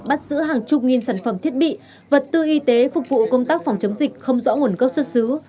bắt giữ hàng chục nghìn sản phẩm thiết bị vật tư y tế phục vụ công tác phòng chống dịch không rõ nguồn gốc xuất xứ